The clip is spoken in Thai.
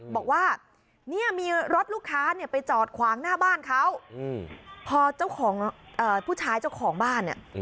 บอกว่ามีรถลูกค้าไปจอดขวางหน้าบ้านเขาพอผู้ชายเจ้าของบ้านเขาก็เข้าไป